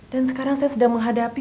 dan sekarang saya sedang menghadapi